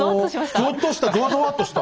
ぞっとしたぞわぞわっとした。